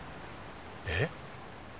えっ？